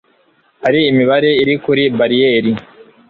hari imibare iri kuri bariyeri